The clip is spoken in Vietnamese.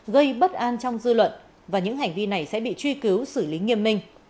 gây bất an trong dư luận và những hành vi này sẽ bị truy cứu xử lý nghiêm minh